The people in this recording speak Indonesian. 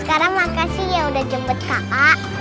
askara makasih ya udah jemput kakak